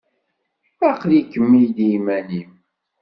Aql-ikem-id iman-im.